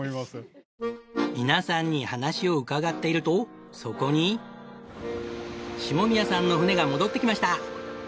皆さんに話を伺っているとそこに下宮さんの船が戻ってきました！